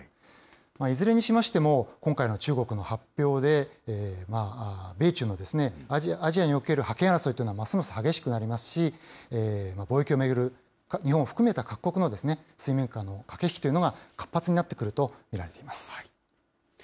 いずれにしましても、今回の中国の発表で、米中のアジアにおける覇権争いというのは、ますます激しくなりますし、貿易を巡る日本を含めた各国の水面下の駆け引きというのが、活発になってくると見られています。